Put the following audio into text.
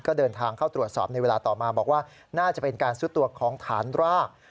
ก็เดินทางเข้าตรวจสอบในเวลาต่อมาบอกว่าน่าจะเป็นการซุดตัวของฐานราก